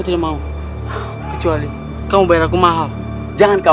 tidak ada apa apa bu